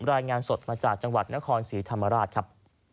รายงานสดมาจากจังหวัดนครศรีธรรมราชครับ